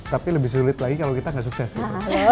tapi lebih sulit lagi kalau kita gak sukses gitu